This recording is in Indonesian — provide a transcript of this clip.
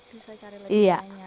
bisa cari lebih banyak